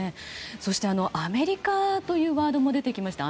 そしてアメリカというワードも出てきました。